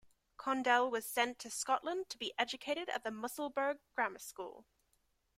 Condell was sent to Scotland to be educated at the Musselburgh Grammar School.